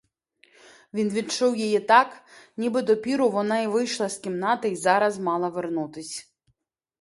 Він відчув її так, ніби допіру вона вийшла з кімнати й зараз мала вернутись.